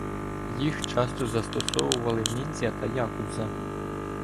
Їх часто застосовували ніндзя та якудза.